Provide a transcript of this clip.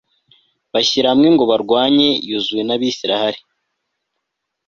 bashyira hamwe ngo barwanye yozuwe na israheli